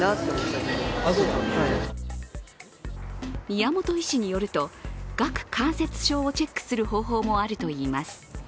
宮本医師によると、顎関節症をチェックする方法もあるといいます。